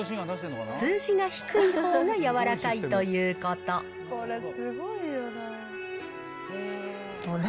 数字が低いほうが柔らかいということ。